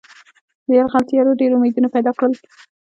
د یرغل تیاریو ډېر امیدونه پیدا کړل.